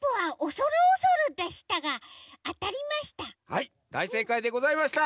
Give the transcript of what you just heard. はいだいせいかいでございました。